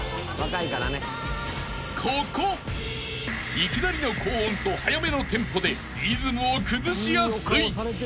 ［いきなりの高音と速めのテンポでリズムを崩しやすい］